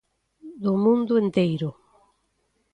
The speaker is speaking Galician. Do mundo enteiro.